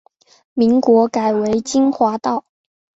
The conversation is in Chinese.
民国改为金华道。